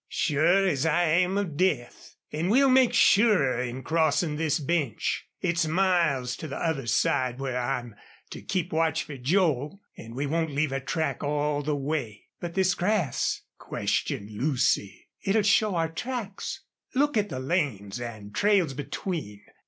"Sure as I am of death. An' we'll make surer in crossin' this bench. It's miles to the other side where I'm to keep watch fer Joel. An' we won't leave a track all the way." "But this grass?" questioned Lucy. "It'll show our tracks." "Look at the lanes an' trails between.